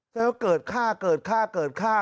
แล้วก็เกิดค่า